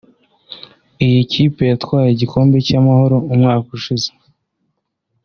Iyi kipe yatwaye igikombe cy’Amahoro umwaka ushize